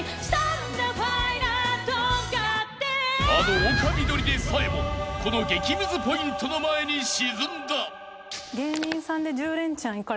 ［あの丘みどりでさえもこの激ムズポイントの前に沈んだ］